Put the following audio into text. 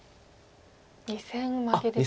２線マゲですか。